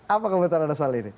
apa komentar anda soal ini